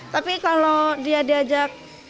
tapi kalau dia diajak